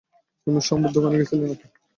তুমি শম্ভুর দোকানে গেছিলে নাকি?